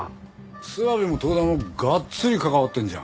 諏訪部も遠田もがっつり関わってんじゃん。